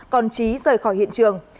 còn trí rời khỏi hiện trường